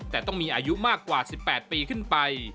แต่ต้องมีอายุมากกว่า๑๘ปีขึ้นไป